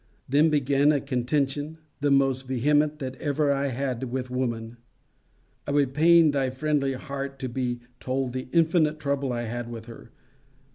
Then began a contention the most vehement that ever I had with woman. It would pain thy friendly heart to be told the infinite trouble I had with her.